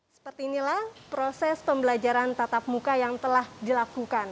seperti inilah proses pembelajaran tatap muka yang telah dilakukan